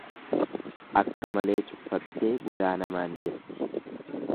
Akka malee cuffattee budaa namaan jetti.